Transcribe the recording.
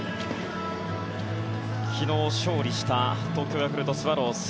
昨日、勝利した東京ヤクルトスワローズ。